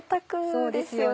そうですよね